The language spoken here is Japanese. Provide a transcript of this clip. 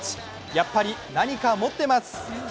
やっぱり何か持ってます。